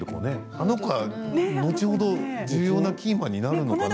あの子は後ほど重要なキーマンになるのかな。